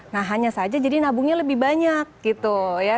nah hanya saja jadi nabungnya lebih banyak gitu ya